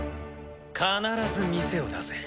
必ず店を出せ。